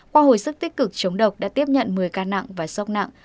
khoa hồi sức tích cực chống độc đã tiếp nhận một mươi ca nặng và sốc nặng